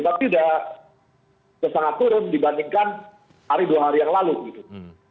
tapi sudah sangat turun dibandingkan hari dua hari yang lalu gitu